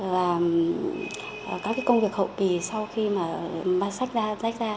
và các cái công việc hậu bì sau khi mà bán sách ra rách ra